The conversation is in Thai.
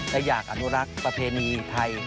และอยากอนุรักษ์ประเพณีไทย